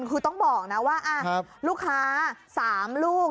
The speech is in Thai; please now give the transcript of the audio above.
คือต้องบอกนะว่าลูกค้า๓ลูก